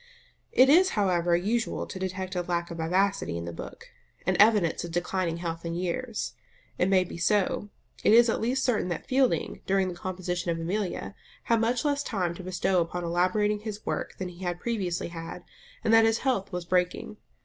It is, however, usual to detect a lack of vivacity in the book, an evidence of declining health and years. It may be so; it is at least certain that Fielding, during the composition of Amelia, had much less time to bestow upon elaborating his work than he had previously had, and that his health was breaking.